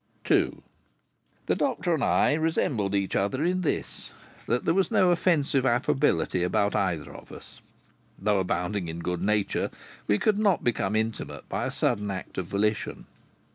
II The doctor and I resembled each other in this: that there was no offensive affability about either of us. Though abounding in good nature, we could not become intimate by a sudden act of volition.